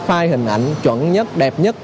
phai hình ảnh chuẩn nhất đẹp nhất